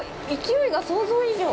勢いが想像以上！